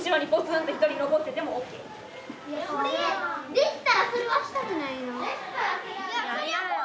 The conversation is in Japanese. できたらそれはしたくないなあ。